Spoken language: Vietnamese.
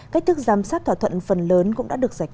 cách thức giám sát thỏa thuận